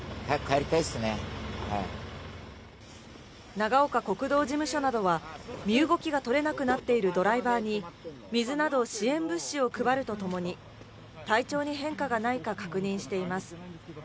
長岡国道事務所などは身動きが取れなくなっているドライバーに水など支援物資を配るとともに体調に変化がないか確認しています。